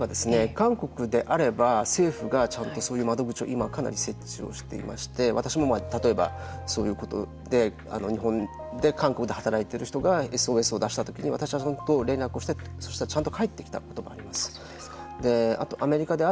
韓国であれば政府がちゃんとそういう窓口を今かなりを設置をしていまして私も例えばそういうことで日本で、韓国で働いている人がＳＯＳを出した時に私はそこと連絡したらちゃんと返ってきたことがあります。